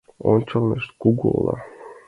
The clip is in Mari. Ончылнышт — кугу ола.